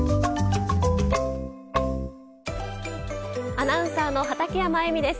アナウンサーの畠山衣美です。